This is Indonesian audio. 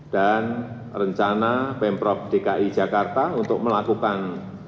rencana pemprov dki jakarta untuk melakukan